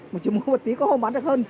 một chút mua một tí có hôm bán được hơn